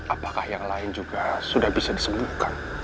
apakah yang lain juga sudah bisa disembuhkan